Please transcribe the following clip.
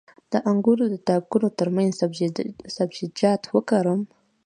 د انګورو د تاکونو ترمنځ سبزیجات وکرم؟